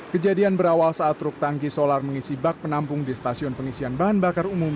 kejadian berawal saat truk tangki solar mengisi bak penampung di stasiun pengisian bahan bakar umum